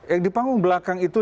yang di panggung belakang itu